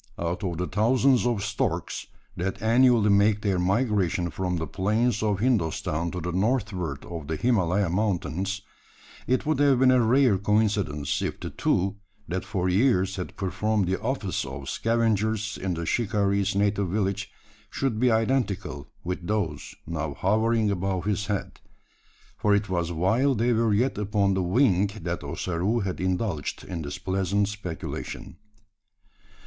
Out of the thousands of storks, that annually make their migration from the plains of Hindostan to the northward of the Himalaya Mountains, it would have been a rare coincidence if the two that for years had performed the office of scavengers in the shikaree's native village, should be identical with those now hovering above his head for it was while they were yet upon the wing that Ossaroo had indulged in this pleasant speculation.